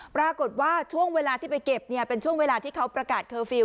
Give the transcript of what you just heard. ปรากฏว่าช่วงเวลาที่ไปเก็บเป็นช่วงเวลาที่เขาประกาศเคอร์ฟิลล